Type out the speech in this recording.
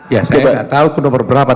ya saya tidak tahu ke nomor berapa